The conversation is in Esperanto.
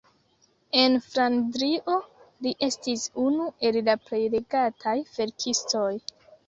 En Flandrio li estis unu el la plej legataj verkistoj.